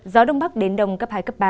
gió đông bắc đến đông cấp hai cấp ba